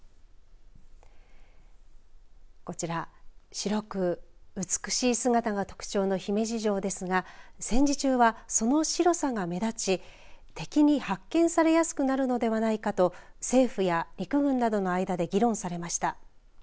こちら白く美しい姿が特徴の姫路城ですが戦時中は、その白さが目立ち敵に発見されやすくなるのではないかと政府や陸軍などの間で議論されました。